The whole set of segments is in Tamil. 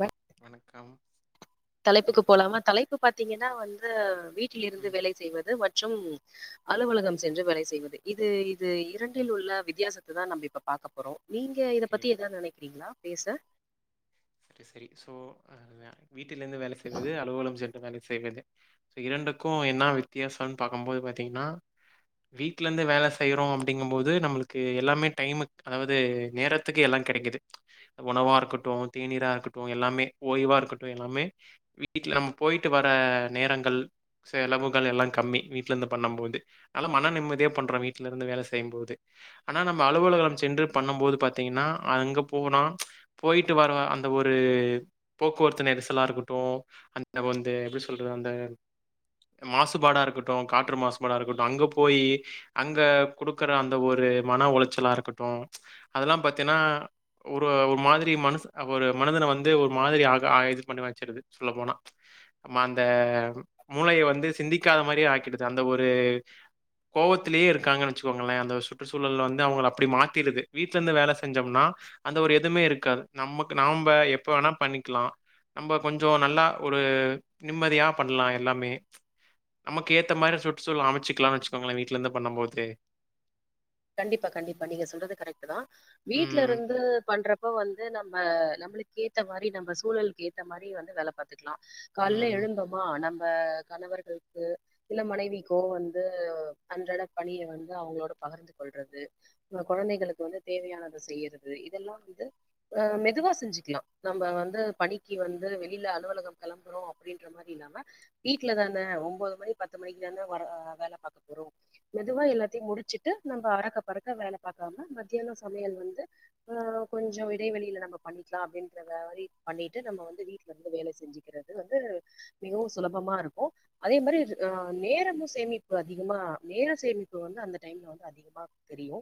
வ வணக் கம் தலைப்புக்கு போலாமா தலைப்பு பாத்திங்கன்னா வந்து வீட்லிருந்து ம். வேலை செய்வது வ ற்றும் அலுவலகம் சென்று வேலை செய்வது இது இது இரண்டில் உள்ள வித்யாசத்த தா நம்ப இப்ப பாக்க போறோம் நீங்க இத ஓகே. பத்தி எதாது நெனைக்கிறிங்ளா பேச செரி செரி சோ அது [unintelligible] வீட்டிலிர்ந்து வேலை செய்வது அலுவலம் சென் வேல செய்வது இரண்டுக்கு என்னா வித்தியாசன் பாக்கம்போது பாத்திங்னா வீட்லந்து வேல செய்றோம் அப்டிங்கோ போது நம்மளுக்கு எல்லாமே டைமுக் அதாவது நேரத்துக்கு எல்லா கெடைக்குது உணவா இருக்கட்டு தேநீரா இருக்கட்டும் எல்லாமே ஓய்வா இருக்கட்டும் எல்லாமே வீட்ல நம்ம போயிட்டு வர நேரங்கள் செலவுகள் எல்லா கம்மி வீட்லர்ந்து பண்ணும் போது ஆனா மன நிம்மதியா பண்றோ வீட்லருந்து வேல செய்யுபோது ஆனா நம்ம அலுவலுகம் சென்று பண்ணோம் போது பாத்திங்னா அங்க போனா ச் போயிட்டு வர அந்த ஒரு போக்குவரத்து நெரிசலா இருக்கட்டும் அந்த வந்து எப்டி சொல்றது அந்த மாசுபாடா இருக்கட்டும் காற்று மாசுபாடா இருக்கட்டும் அங்க போயி அங்க குடுக்குற அந்த ஒரு மன உளச்சலா இருக்கட்டும் ச் அதலா பாத்தின்னா ஒரு மாதிரி மனுச அ ஒரு மனிதன வந்து ஒரு மாதிரி ஆக ஆ இது பண்ணி வச்சிடுது சொல்ல போனா ச் நம்ம அந்த மூளய வந்து சிந்திக்காத மாரியே ஆக்கிடுது அந்த ஒரு கோவத்துலயே இருக்காங்க வச்க்கோங்களே அந்த சுற்றுசூழல் வந்து அவ்ங்கள அப்டி மாத்திடுது வீட்லருந்து வேல செஞ்சம்னா அந்த ஒரு எதுமே இருக்காது நம்மக்கு நாம்ப எப்ப வேனா பண்ணிக்லாம் நம்ப கொஞ்சோ நல்லா ஒரு நிம்மதியா பண்லா எல்லாமே ச் நமக்கு ஏத்த மாறி சுற்றுசூழல் அமச்சுக்லாம்ன் வெச்சுக்கோங்ளே வீட்லருந்து பண்ணம் போது கண்டிப்பா கண்டிப்பா நீங்க சொல்றது கரக்ட்டு தா ம். வீட்லருந்து பண்றப்ப வந்து நம் நம்ப நம்ளுக்கு ஏத்த மாறி நம்ப சூழல்க்கு ஏத்த மாறி வந்து வேல பாத் துக்லாம் காலேல ம். எழுந்தோமா நம் இப்ப கணவர்கள்க்கு இல்ல மனைவிக்கோ வந்து அன்றாட பணிய வந்து அவுங்ளோட பகர்ந்துக் கொல்றது கொழந்தைகளுக்கு வந்து தேவயானத செய்யறது இதெல்லாம் வந்து ஆ மெதுவா செஞ்சிக்லாம் நம்ப வந்து பணிக்கு வந்து வெளில அலுவலகம் கெளம்புறோ அப்டின்ற மாறி இல்லாம வீட்ல தான ஒம்போது மணி பத்து மணிக்கு தான வா வேல பாக்க போறோ மெதுவா எல்லாத்யும் முடிச்சிட்டு நம்ப அறக்க பறக்க வேல பாக்காம மத்தியானோ சமயல் வந்து ஆ கொஞ்சோ இடைவெளில நம்ப பண்ணிக்லாம் அப்டின்ற மாறி பண்ணிட்டு நம்ப வந்து வீட்லருந்து வேல செஞ்சிக்றது வந்து மிகவும் சுலபமா இருக்கும் அதே மாரி நேரமு சேமிப்பு அதிகமா நேர சேமிப்பு வந்து அந்த டைம்ல வந் அதிகமா தெரியு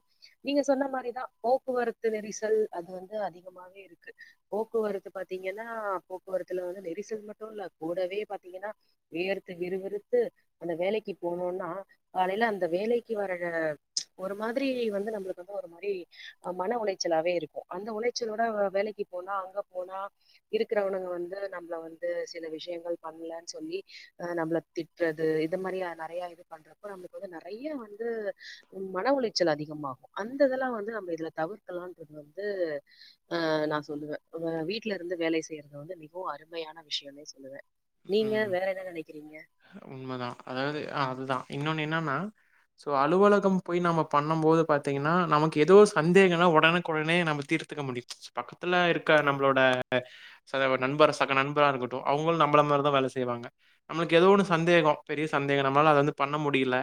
நீங்க சொன்ன மாறிதா போக்குவரத்து நெரிசல் அது வந்து அதிகமாவே இருக்கு போக்குவரத்து பாத்திங்கன்னா போக்குவரத்துல வந்து நெரிசல் மட்டு இல்ல கூடவே பாத்திங்கன்னா வேர்த்து விறுவிறுத்து அந்த வேலைக்கு போனோன்னா காலேல அந்த வேலைக்கு வர ஒரு மாதிரி வந்து நம்ளுக்கு வந்து ஒரு மாறி மன உளச்சலாவே இருக்கு அந்த உளச்சலோட வேலைக்கு போனா அங்க போனா இருக்குறவனுங்க வந்து நம்ள வந்து சில விஷயங்கள் பண்லன் சொல்லி அ நம்பள திட்றது இத மாறி நெறய இது பண்றப்ப நம்ளுக்கு வந்து நெறய வந்து மன உலைச்சல் அதிகமாகும் அந்த இதல்லா வந்து நம்ப இதுல தவுர்க்கலாம்ன்றது வந்து ஆ நா சொல்லுவே உங்க வீட்டுலருந்து வேலை செய்யறது வந்து மிகவும் அருமையான விஷயம்னே சொல்லுவே நீங்க உம் வேற என்ன நெனைக்கிறீங்க உண்மதா அதாது அ அதுதா இன்னொன் என்னன்னா சோ அலுவலகம் போய் நம்ப பண்ணும் போது பாத்திங்ன்னா நமக்கு ஏதோ சந்தேகனா ஒடனுக்கோடனே நம்ப தீத்துக்க முடியுது பக்கத் துல இருக்க ம் நம்ளோட நண்பர் சக நண்பராகருக்கட்டு அவங்குள் நம் நம்பல மாறிதா வேல செய்வாங்க நம்ளுக்கு ஏதோ ஒன்னு சந்தேகம் பெரிய சந்தேகம் நம்லால அத வந்து பண்ண முடில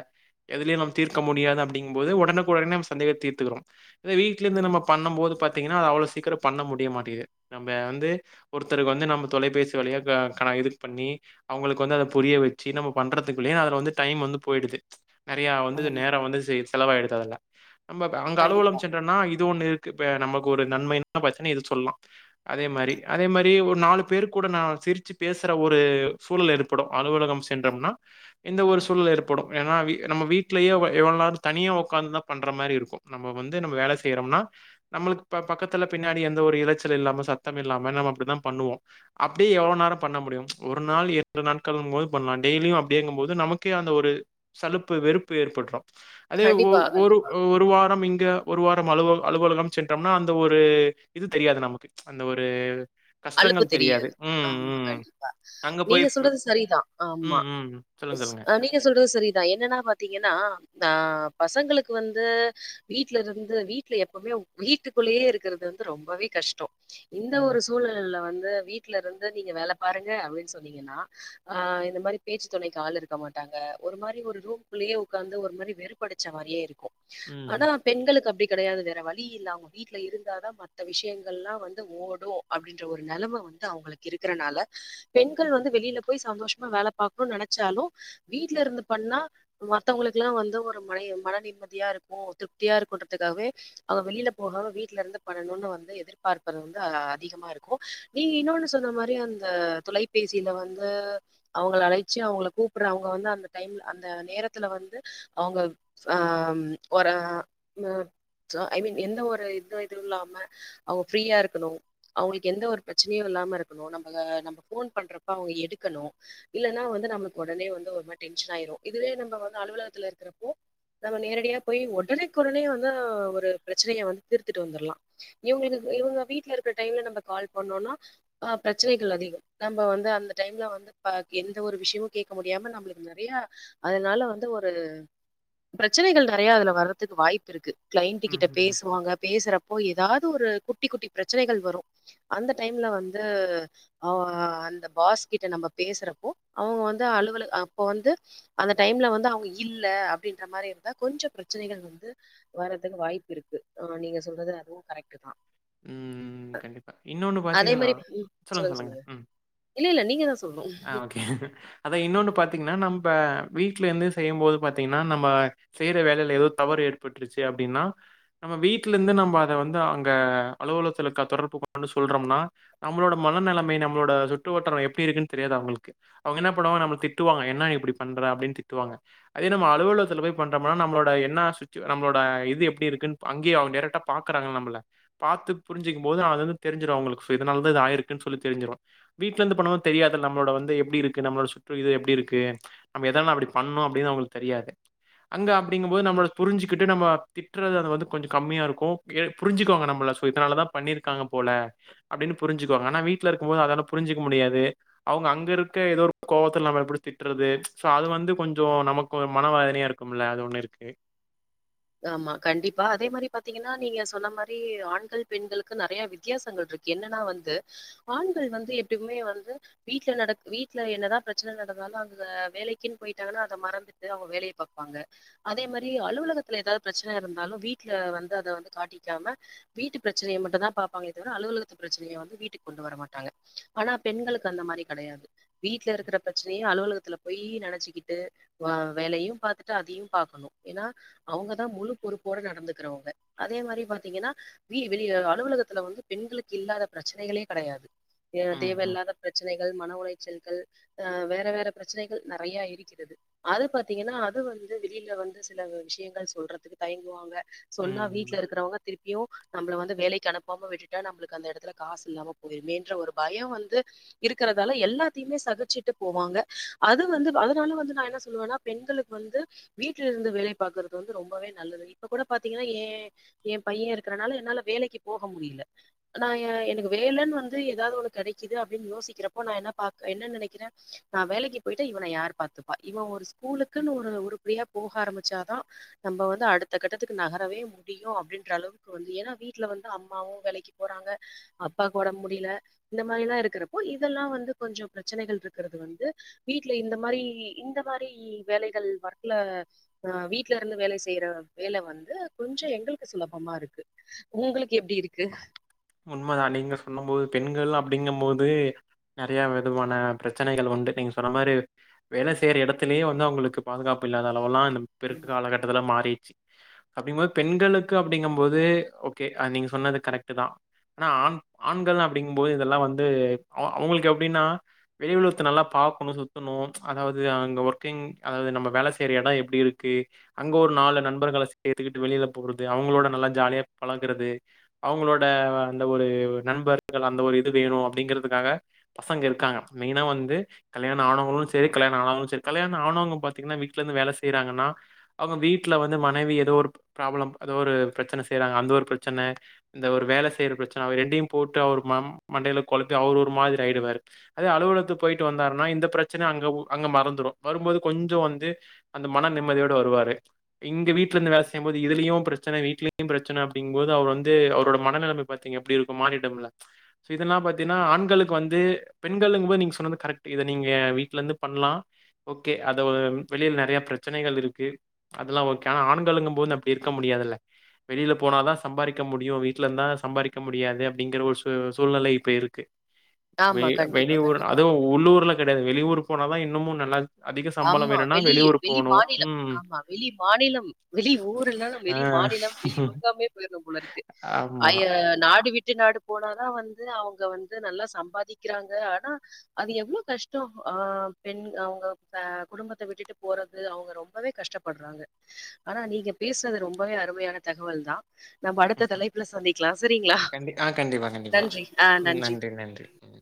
எதுலயு நம் தீர்க்க முடியாது அப்டிங்கும் போது ஒடனுக்கு ஒடனே நம்ப சந்தேகத் தீர்த்துக்குறோம் இதே வீட்லருந்து ம் நம்ப பண்ணோம் போது பாத் திங்ன்னா அவ்ளோ சீக்ரோ பண்ண முடிய மாட்டிது நம்ப வந்து ஒருத்தருக் வந்து நம்ப தொலைபேசி வழியா க கா இது பண்ணி அவுங்ளுக் வந்து அத புரிய வச்சி நம்ப பண்றதுக்குள்ளே அதுல வந்து டைம் வந்து போய்டுது நெறயா வந்து ஆமா நேரோ வந்து சே செலவாய்டுது அதுல நம்ம ப அங்க கண்டிப்பா அலுவலோம் சென்றோன்னா இது ஒண்ணு இர்க்கு நமக்கு ஒரு நன்மைனா பாத்தினா இது சொல்லாம் அதே மாறி அதே மாறி ஒரு நாலு பேர் கூட நா சிரிச்சிப் பேசுற ஒரு சூழல் ஏற்படும் அலுவலகம் சென்றம்னா இந்த ஒரு சூழல் ஏற்படும் ஏன்னா நம்ப வீட்லேயே எவள் நேரோ தனியா ஒக்காந்து தா பண்ற மாறி இருக்கும் நம்ப வந்து நம்ப வேல செய்றோம்னா நம்ளுக் பக்கத்துல பின்னாடி எந்த ஒரு இறைச்சல் இல்லாம சத்தம் இல்லாம நம்ம அப்டிதா பண்ணுவோ அப்டியே எவ்ளோ நேரோ பண்ண முடியும் ஒரு நாள் இரண்டு நாட்கள்ங்போது பண்லாம் டெய்லியும் அப்டியேங்கு போது நமக்கே அந்த ஒரு சலுப்பு வெறுப்பு ஏற்பட்றும் அதே ஒர் கண்டிப்பா ஒர் கண்டிப்பா ஒரு வாரம் இங்க ஒரு வாரம் அலுவலம் அலுவலகம் சென்றம்னா அந்த ஒரு இது தெரியாது நமக்கு அந்த ஒரு அழுப்பு கஷ்டங்கள் தெரியாது ம், ஆம்மா ம். கண்டிப் அங்க போய் நீங்க ஃப் சொல்றது சரிதா ஆம்மா ம், ம். சொல்லுங்க, ஸ் சொல்லுங்க. நீங்க சொல்றது சரிதா என்னன்னா பாத்தீங்கன்னா ஆ பசங்களுக்கு வந்து வீட்ல இருந்து வீட்ல எப்பவுமே வீட்டுக்குள்ளேயே இருக்கிறது வந்து ரொம்பவே கஷ்டோ இந்த ம், ஒருஸ் ல்ல வந்து வீட்டுல இருந்து நீங்க வேல பாருங்க அப்டின் சொன்னீங்கன்னா அ இந்த மாரி பேச்சு துணைக்கு ஆளு இருக்க மாட்டாங்க ஒரு மாரி ஒரு ரூம் குள்ளயே உக்காந்து ஒரு மாரி வெறுப்படுச்ச மாரியே இருக்கு ம், ஆனா ம். பெண்களுக்கு அப்டி கிடையாது வேற வழி இல்ல அவுங்க வீட்டுல இருந்தாதா மத்த விஷியங்கள்ளா வந்து ஓடு அப்டின்ற ஓர் நெலம வந்து அவுங்குளுக்கு இருக்குறனால பெண்கள் வந்து வெளியில போய் சந்தோஷமா வேல பாக்கணுன் நெனச்சாலு வீட்ல இருந்து பண்ணா மத்தவுங்களுக்கல்லா வந்து ஒரு மலை மன நிம்மதியா இருக்கு திருப்தியா இருக்குன்றதுக்காகவே அவ வெளியில போகாம வீட்டுல இருந்து பண்ணணுன் வந்து எதிர்பாக்றது வந்து அ அதிகமா இருக்கு நீங்க இன்னொன்னு சொன்ன மாரி அந்த தொலைபேசியில வந்து அவுங்கள அழைச்சு அவுங்கள கூப்பிற அவுங்க வந்து அந்த டைம்ல அந்த நேரத்துல வந்து அவங்க ஆம் ஒரு சோ ஐ மீன் எந்த ஒரு இது இதுவுல்லாம அவுங்க ஃப்ரீயா இருக்குணு அவுங்களுக்கு எந்த ஒரு பிரச்சனையு இல்லாம இருக்கணு நம்ம நம்ம போன் பண்றப்ப அவுங்க எடுக்கணு இல்லன்னா வந்து நம்ளுக் உடனே வந்து ஒரு மாரி டென்ஷன் ஆயிரு இதுவே நம்ம வந்து அலுவுலகத்துல இருக்குறப்போ நம்ம நேரடியா போய் ஒடனக்கு ஒடனே வந்து ஒரு பிரச்சனைய வந்து தீர்த்துட்டு வந்துருலா இவுங்களுக்கு இவுங்க வீட்ல இருக் இந்த டைம்ல நம்ப கால் பண்ணோம்னா ஆ பிரச்சினைகள் அதிகம் நம்ம வந்து அந்த டைம்ல வந்து பா எந்த ஒரு விஷயமு கேக்க முடியாம நம்ளுக்கு நெறயா அதனால வந்து ஒரு பிரச்சினைகள் நெறயா அதுல வறதுக்கு வாய்ப்பு இருக்கு க்ளைண்ட்டு ம், கிட்ட ம், ம். பேசுவாங்க பேசுறப்போ எதாது து ஒரு குட்டி குட்டி பிரச் ச்சனைகள் வரும் அந்த டைம்ல வந்து ஆ அந்த பாஸ்கிட்ட நம்ம பேசுறப்போ அவுங்க வந்து அலுவல அப்போ வந்து அந்த டைம்ல வந்து அவுங்க இல்ல அப்டின்ற மாரி இருந்தா கொஞ்ச பிரச்சனைகள் வந்து வரதுக்கு வாய்ப்பு இருக்கு ஆ நீங்க சொல்றது அதுவு கரெக்ட்டுதா உம் கண்டிப்பா இன்னொன்னு பாத்தீங்கன்னா சொல்லுங் சொல்லுங்க ம் இல்ல, இல்ல நீங்க தான் சொல்லணும். அ ஓக்கே அத இன்னொன்னு பாத்தீங்கன்னா நம் இப்ப வீட்லேருந்து செய்யும்போது பாத்தீங்கன்னா நம்ம செய்யிற வேலையிலோ தவறு ஏற்பட்டுருச்சு அப்டின்னா நம்ம வீட்டுல இருந்து நம்ம அத வந்து அங்க அலுவுலத்துலக்க தொடர்பு கொண்டு சொல்றம்னா நம்மோட மன நிலமை நம்மளோட சுட்டுவட்டுரம் எப்டி இருக்குன்னு தெரியாது அவுங்களுக்கு அவங்க என்ன பண்ணுவாங்க நம்மு திட்டுவாங்க என்ன இப்டி பண்ற அப்டின் திட்டுவாங்க அதே நம்ம அலுவலத்துல போய் பண்றோம்னா நம்மளோட என்ன சுச் நம்மளோட இது எப்டி இருக்குன்னு அங்கியே அவுங் டேரக்டா பாக்குறாங்க நம்பள பாத்து புரிஞ்சுக்கும்போது அது அது தெரிஞ்சிரு அவுங்கலுக்கு சோ இதனால தா ஆயிருக்குன் சொல்லி தெரி்ஞ்சிரு வீட்லருந்து பண்ணும்போது தெரியாது நம்ளோட வந்து எப்டி இருக்கு நம்ளோட சுற்று இது எப்டி இருக்கு நம்ம எதனா அப்டி பண்ணு அப்டின் அவுங்களுக்கு தெரியாது அங்க அப்டிங்கும்போது நம்ளோட புரிஞ்சிக்கிட்டு நம்ம திட்றது அது வந்து கொஞ்ச கம்மியா இருக்கும் ஏ புரிஞ்சுக்குவாங்க நம்மள சோ இதனாலதா பண்ணிருக்காங்க போல அப்டின் புரிஞ்சுக்குவாங்க ஆனா வீட்டுல இருக்கும் போது அதால புரிஞ்சிக்க முடியாது அவுங்க அங்க இருக்க எதோ ஒரு கோவத்துல நம்ம புடிச்சி திட்டுறது சோ அது வந்து கொஞ்ச நமக்கு மனவேதனையா இருக்கும்ல அது ஒண்ணு இருக்கு ஆம்மா கண்டிப்பா அதே மாரி பாத்தீங்கன்னா நீங்க சொன்ன மாரி ஆண்கள் பெண்களுக்கு நெறையா வித்தியாசங்கள் இருக்கு என்னன்னா வந்து ஆண்கள் வந்து எப்டிவுமே வந்து வீட்ல நடக் வீட்டுல என்னதா பிரச்சன நடந்தாலு அங்க வேலைக்குன்னு போயிட்டாங்கன்னா அத மறந்துட்டு அவுங்க வேலைய பாப்பாங்க அதே மாரி அலுவலகத் துல்ல எதாவுது பிரச்சன இருந்தாலு வீட்டுல வந்து அத வந்து காட்டிக்காம வீட்டு பிரச்சினையை மட்டும்தா பாப்பாங்களே தவிர அலுவலகத்து பிரச்சினைய வந்து வீட்டுக் கொண்டு வர மாட்டாங்க அனா பெண்களுக்கு அந்த மாரி கெடையாது வீட்டுல இருக்கிற பிரச்சினையு அலுவலகத்துல போய் நெனச்சுக்கிட்டு வா வேலையு பாத்துட்டு அதையும் பாக்கணு ஏன்னா அவுங்கதா முழு பொறுப்போட நடந்துக்குறவங்க அதே மாரி பாத்தீங்கின்னா வி வெளிய அலுவலகத்துல வந்து பெண்களுக்கு இல்லாத பிரச்சினைகளே கெடையாது தேவ் ம்ஹ்ம். தேவையில்லாத பிரச்சினைகள் மன உளைச்சல் கள் அ வேற வேற பிரச்சினைகள் நெறயா இருக்கிறது அது பாத்தீங்கன்னா அது வந்து வெளியில வந்து சில விஷயங் ல சொல்றதுக்கு தயங்குவாங்க சொன்னா ம். வீட்ல இருக்குறவங்க திருப்பியு நம்முள்ள வந்து வேலைக்கு அனுப்பாம விட்டுட்டா நம்ளுக்கு அந்த எடத்துல காசு இல்லாம போயிருமேன்ற ஒரு பயோ வந்து இருக்குறதால எல்லாத்தையுமே சகிச்சுட்டு போவாங்க அது வந்து அதுனால வந்து நா என்ன சொல்லுவேன்னா பெண்களுக்கு வந்து வீட்டுல இருந்து வேலை பாக்குறக் குறது வந்து ரொம்பவே நல்லது இப்ப கூட பாத்தீங்குன்னா எ எ எ பையன் இருக்குறனால என்னால வேலைக்கு போக முடியில நா எ எனக்கு வேலன்னு வந்து எதாவுது ஒன்னு கெடைக்குது அப்டின் யோசிக்கிறப்போ நா என்ன பாக்க என்ன நினைக்கிறே நா வேலைக்கு போயிட்டா இவன யார் பாத்துப்பா இவன் ஒரு ஸ்கூலுக்குன்னு உரு உருப்பிடியா போக ஆரம்பிச்சாதா நம்ம வந்து அடுத்த கட்டத்துக்கு நகரவே முடியு அப்டின்ற அளவுக்கு வந்து ஏன்னா வீட்ல வந்து அம்மாவும் வேலைக்கு போறாங்க அப் அப்பாக் ஒடம் முடியில இந்த மாரில்லா இருக்குறப்போ இதெல்லா வந்து கொஞ்ச பிரச்சினைகள் இருக்கிறது வந்து வீட்டுல இந்த மாரி இந்த மாரி வேலைகள் ஒர்க்குல அ வீட் வீட்ல இருந்து வேலை செய்யிற வேல வந்து கொஞ்சோ எங்குளுக் சுலபமா இருக்கு உங்ளுக்கு எப்டி இருக்கு உண்மதா நீங்க சொல்லும்போது பெண்கள் அப்டிங்கும் போது நெறைய விதமான பிரச்சினைகள் வந்து நீங்க சொன்ன மாரி வேலை செய்யிற இடத்திலயே வந்து அவுங்களுக்கு பாதுகாப்பு இல்லாத அளவுல்லா இப்ப இருக் காலகட்டத்தில மாரி ச்சு அப்டிங்கும்போது பெண்களுக்கு அப்டிங்கும் போது ஓக்கே நீங்க சொன்னது கரெக்ட்டுதா அனா ஆண் ஆண்கள் அப்பிடிங்கும் போது இதெல்லா வந்து அவ அவங்குளுக்கு எப்டின்னா வெளி உலத்த நல்லா பாக்கணு சுத்தணும் அதாவுது அங்க ஒர்க்கிங் அதாவுது நம்ம வேல செய்யிற எடம் எப்டி இருக்கு அங்க ஒர் நாலு நண்பர்கள சேத்துக்கிட்டு வெளியில போறது அவுங்களோட நல்லா ஜாலியா பழகுறது அவுங்களோட அந்த ஒரு நண்பர்கள் அந்த ஒரு இது வேணு அப்டிங்கிறதுக்காக பசங்க இருக்காங்க மெயினா வந்து கல்யாண ஆனவுங்களும் சேரி கல்யாண ஆனவுங்களும் சேரி கல்யாணே ஆணவங்க பாத்திங்கன்னா வீட்ல இருந்து வேல செய்றாங்குன்னா அவுங் வீட்டுல வந்து மனைவி எதோ பிராபல்லம் அதா ஒரு பிரச்சின செய்றாங்க அந்த ஒரு பிரச்சன இந்த ஒரு வேல செய்யிற சன அவர் ரெண்டையும் போட்டு அவர் மண்டைய குழப்பி அவர் ஒரு மாதிரி ஆயிடுவாரு அதே அலுவலகத்துக்கு போயிட்டு வந்தாருனா இந்த பிரச்சினை அங்க மறந்துரோம் வரும்போது கொஞ்சம் வந்து அந்த மன நிம்மதியோடு வருவாரு இங்க வீட்ல இருந்து வேலை செய்யும்போது இதிலியும் பிரச்சன வீட்லயும் பிரச்சன அப்படின்னும் போது அவர் வந்து அவரோட மன நிலைமை பாத்திங்க எப்டி இருக்கும் மார்னிங் டைம்ல இதுனா பாத்திங்கனா ஆண்களுக்கு வந்து பெண்களுங்கும்போது நீங்க சொன்னது கரெக்ட் இத நீங்க வீல இருந்து பண்ணலா ஓகே வெளியில நிறைய பிரச்சனைகள் இருக்கு அதல்லாம் ஆனா ஆண்களுங்கும் போ அப்டி இருக்க முடியாது வெளியில போனாதா சம்பாதிக்க முடியும் வீட்டுல இருந்த சம்பாதிக்க முடியாது அப்படிங்கிற ஒரு சூழ்நிலை இப்ப இருக்கு வெ ஆமா. கண்டிப்பா, வெளியூர் கண்டிப்பா. அதுவும் உள்ளூர்ல கிடையாது வெளியூர் போனதா இன்னமும் நல்லா அதிக சம்பளம் ஆமா வேணும்னா வெளி வெளியூர் வெளி போணும். மாநிலம் ம். ஆமா வெளி மாநிலம் வெளி ஊர்லாம் ஆ. வெளி மாநிலம் வெளி முக்கா பேர் போயிருப்பாங்க போல இருக்கு ஆமா. நாடு விட்டு நாடு போனாதா வந்து அவங்க வந்து நல்லா சம்பாதிக்கிறாங்க ஆனா அது எவ்ளோ கஷ்டம் ஆ பெண் அவங்க க குடும்பத்த விட்டுட்டு போறது அவங்க ரொம்பவே கஷ்டப்படுறாங்க ஆனா நீங்க பேசுறது ரொம்பவே அருமையான தகவல் தா நம்ம அடுத்த தலைப்புல சந்திக்கலாம் செரிங்களா கண்டி ஆ கண்டிப்பா, கண்டிப்பா. நன்றி ஆ ம். நன்றி நன்றி. ம்.